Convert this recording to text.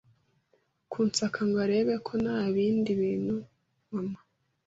kunsaka ngo arebe ko nta bindi bintu mama